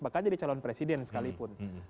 bahkan jadi calon presiden sekalipun